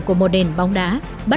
của mô đền bóng đá